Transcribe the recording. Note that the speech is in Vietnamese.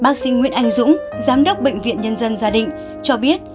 bác sĩ nguyễn anh dũng giám đốc bệnh viện nhân dân gia đình cho biết